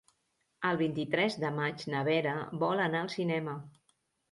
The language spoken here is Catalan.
El vint-i-tres de maig na Vera vol anar al cinema.